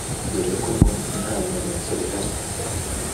dore ko ngo nta bimenyetso bihari